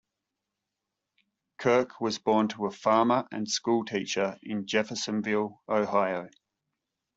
Kirk was born to a farmer and schoolteacher in Jeffersonville, Ohio.